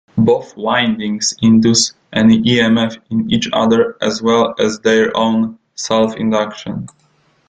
Both windings induce an emf in each other as well as their own self-induction.